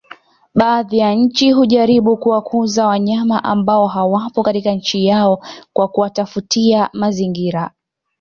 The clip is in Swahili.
Baadhi ya nchi hujaribu kuwakuza wanyama ambao hawapo katika nchi yao kwa kuwatafutia mazingira